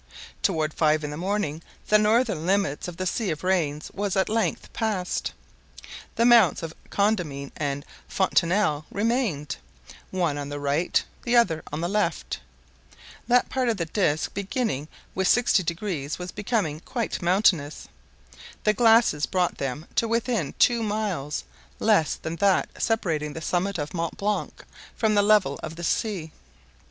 Toward five in the morning the northern limits of the "Sea of Rains" was at length passed. The mounts of Condamine and Fontenelle remained—one on the right, the other on the left. That part of the disc beginning with 60° was becoming quite mountainous. The glasses brought them to within two miles, less than that separating the summit of Mont Blanc from the level of the sea.